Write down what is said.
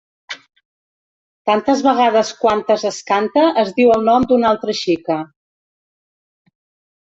Tantes vegades quantes es canta es diu el nom d’una altra xica.